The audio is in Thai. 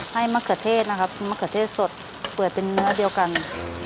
มะเขือเทศนะครับมะเขือเทศสดเปิดเป็นเนื้อเดียวกัน